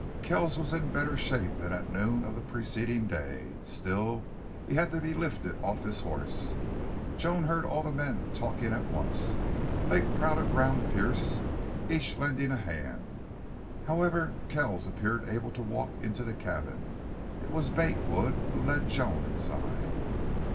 Kells was in better shape than at noon of the preceding day. Still, he had to be lifted off his horse. Joan heard all the men talking at once. They crowded round Pearce, each lending a hand. However, Kells appeared able to walk into the cabin. It was Bate Wood who led Joan inside.